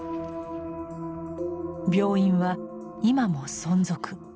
病院は今も存続。